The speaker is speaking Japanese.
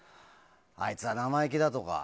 あいつは生意気だとか。